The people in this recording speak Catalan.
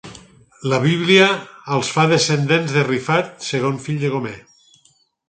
La Bíblia els fa descendents de Rifat, segon fill de Gomer.